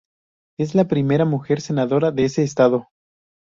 Es la primera mujer senadora de ese estado.